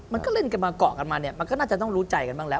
มันก็เล่นกันมาเกาะกันมาเนี่ยมันก็น่าจะต้องรู้ใจกันบ้างแล้ว